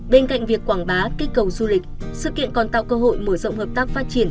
bên cạnh việc quảng bá kích cầu du lịch sự kiện còn tạo cơ hội mở rộng hợp tác phát triển